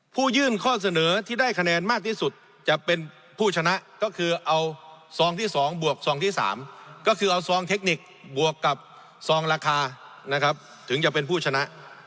ผู้ยื่นข้อเสนอที่ได้คะแนนมากที่สุดจะเป็นผู้ชนะก็คือเอาซองที่๒บวกซองที่๓ก็คือเอาซองเทคนิคบวกกับซองราคานะครับถึงจะเป็นผู้ชนะ